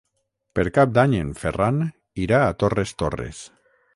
Per Cap d'Any en Ferran irà a Torres Torres.